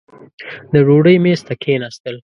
د ډوډۍ مېز ته کښېنستل.